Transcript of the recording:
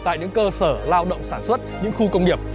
tại những cơ sở lao động sản xuất những khu công nghiệp